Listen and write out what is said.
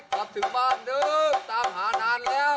กลับถึงบ้านเด้อตามหานานแล้ว